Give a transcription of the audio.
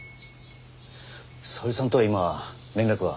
沙織さんとは今連絡は？